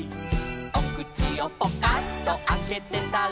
「おくちをポカンとあけてたら」